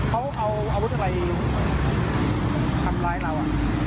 เขาเอาอาวุธอะไรทำร้ายเรา